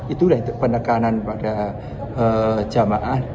itu adalah penekanan pada jemaah